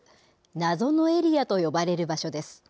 謎のエリアと呼ばれる場所です。